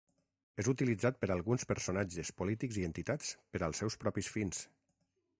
És utilitzat per alguns personatges polítics i entitats per als seus propis fins.